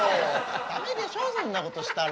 ダメでしょそんなことしたら。